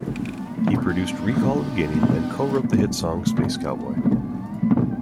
He produced "Recall the Beginning" and co-wrote the hit song "Space Cowboy".